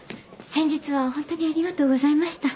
先日は本当にありがとうございました。